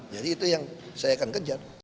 jadi itu yang saya akan kejar